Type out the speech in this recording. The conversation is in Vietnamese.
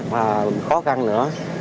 và khó khăn nữa